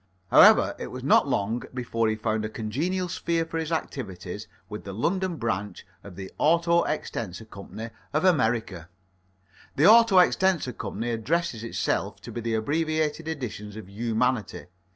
However, it was not long before he found a congenial sphere for his activities with the London branch of the Auto extensor Co. of America. The Auto extensor Co. addresses itself to the abbreviated editions of humanity.